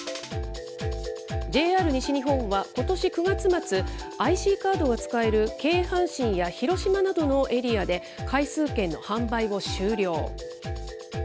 ＪＲ西日本はことし９月末、ＩＣカードを使える京阪神や広島などのエリアで、回数券の販売を終了。